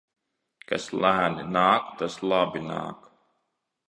Kas lēni nāk, tas labi nāk.